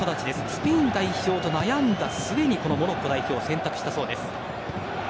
スペイン代表と悩んだ末にモロッコ代表を選択したそうです。